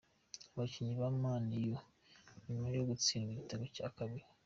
Abakinnyi ba Man U nyuma yo gutsindwa igitego cya kabili.